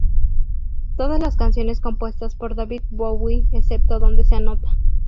Todas las canciones compuestas por David Bowie excepto donde se anota.